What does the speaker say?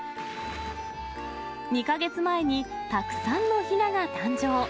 ２か月前に、たくさんのひなが誕生。